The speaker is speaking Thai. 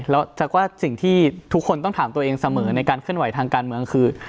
แล้วจากว่าสิ่งที่ทุกคนต้องถามตัวเองเสมอในการเคลื่อนไหวทางการเมืองคือ